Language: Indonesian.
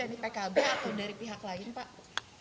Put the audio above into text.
yang di pkb atau dari pihak lain pak